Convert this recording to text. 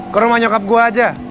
ke rumah nyokap gue aja